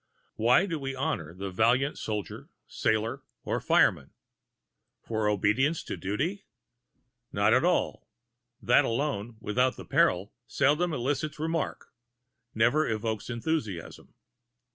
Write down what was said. Why do we honor the valiant soldier, sailor, fireman? For obedience to duty? Not at all; that alone without the peril seldom elicits remark, never evokes enthusiasm.